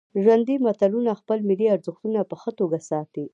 ژوندي ملتونه خپل ملي ارزښتونه په ښه توکه ساتي.